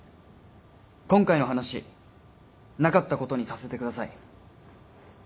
今回の話なかったことにさせてください。